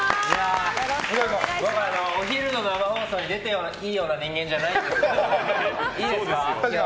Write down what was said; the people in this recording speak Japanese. お昼の生放送に出ていいような人間じゃないんですけどいいですか。